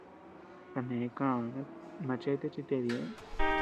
Kane ka machete chi ted ñeʼë.